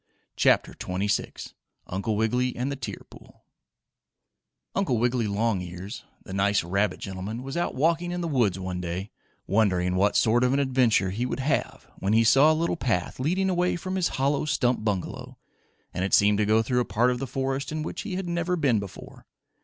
CHAPTER XXVI UNCLE WIGGILY AND THE TEAR POOL Uncle Wiggily Longears, the nice rabbit gentleman, was out walking in the woods one day, wondering what sort of an adventure he would have when he saw a little path, leading away from his hollow stump bungalow, and it seemed to go through a part of the forest in which he had never before been.